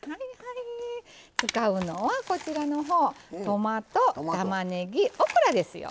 使うのはこちらのほうトマトたまねぎオクラですよ。